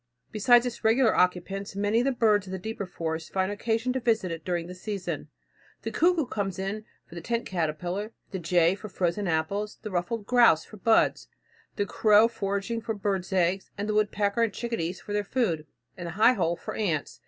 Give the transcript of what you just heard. Besides its regular occupants, many of the birds of the deeper forest find occasion to visit it during the season. The cuckoo comes for the tent caterpillar, the jay for frozen apples, the ruffed grouse for buds, the crow foraging for birds' eggs, the woodpecker and chickadees for their food, and the high hole for ants.